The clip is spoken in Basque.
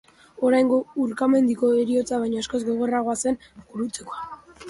Oraingo urkamendiko heriotza baino askoz gogorragoa zen gurutzekoa.